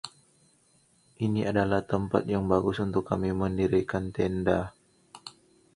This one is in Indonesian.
Ini adalah tempat yang bagus untuk kami mendirikan tenda.